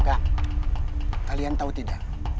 kak kalian tahu tidak